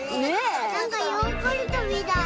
なんかヨーグルトみたい。